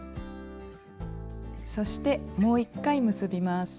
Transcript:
そしてもう１回結びます。